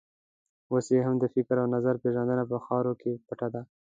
اوس یې هم د فکر او نظر پېژندنه په خاورو کې پټه ده.